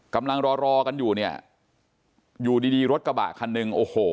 กำลังรอกันอยู่อยู่ดีรถกระบะคันหนึ่ง